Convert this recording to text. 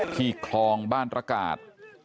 ที่คลองบ้านตระกาศ